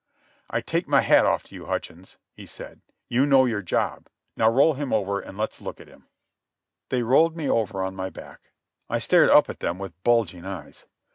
"I take my hat off to you, Hutchins," he said. "You know your job. Now roll him over and let's look at him." They rolled me over on my back. I stared up at them with bulging eyes.